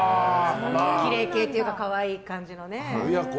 きれい系というか可愛い感じのね。